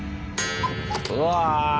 うわ！